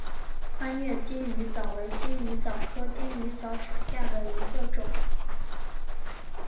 宽叶金鱼藻为金鱼藻科金鱼藻属下的一个种。